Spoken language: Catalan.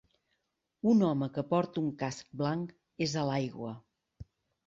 Un home que porta un casc blanc és a l'aigua.